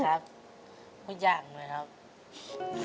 ครับไม่อย่างเลยครับ